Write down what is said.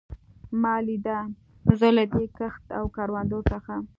ما لیده، زه له دې کښت او کروندو څخه.